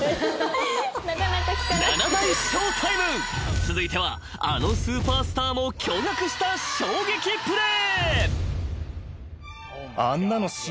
［続いてはあのスーパースターも驚愕した衝撃プレー］